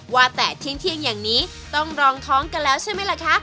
ว่าแต่เที่ยงอย่างนี้ต้องรองท้องกันแล้วใช่ไหมล่ะคะ